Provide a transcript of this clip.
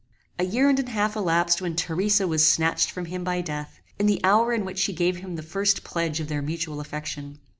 A year and an half elapsed when Theresa was snatched from him by death, in the hour in which she gave him the first pledge of their mutual affection.